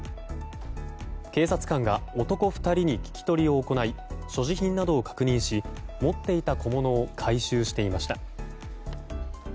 警察官が男２人に聞き取りを行い所持品などを確認し持っていた小物などを回収していました。